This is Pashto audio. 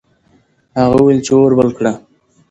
هغه وویل چې اور بل کړه.